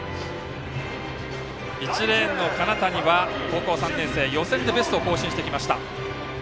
１レーンの金谷は高校３年生予選でベストを更新してきました。